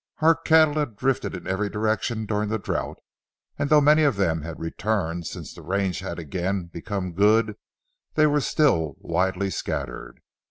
Our cattle had drifted in every direction during the drouth and though many of them had returned since the range had again become good, they were still widely scattered.